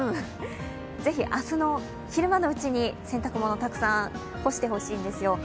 是非、明日の昼間のうちに洗濯物たくさん干してほしいんですよ。